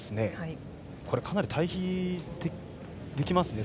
かなり対比できますね。